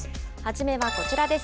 初めはこちらです。